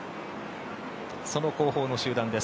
その後方の集団です。